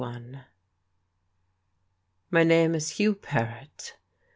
My name is Hugh Paret.